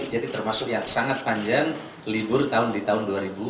jadi termasuk yang sangat panjang libur di tahun dua ribu dua puluh empat